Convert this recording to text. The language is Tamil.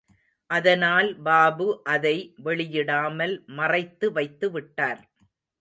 அதனால் பாபு அதை வெளியிடாமல் மறைத்து வைத்து விட்டார்.